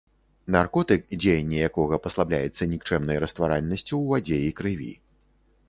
Наркотык, дзеянне якога паслабляецца нікчэмнай растваральнасцю ў вадзе і крыві.